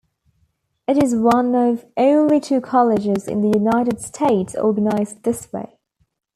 It is one of only two colleges in the United States organized this way.